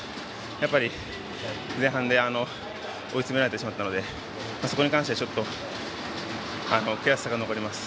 やっぱり前半で追い詰められてしまったのでそこに関してはちょっと悔しさが残ります。